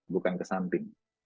bukan ke samping